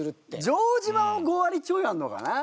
城島も５割ちょいあるのかな。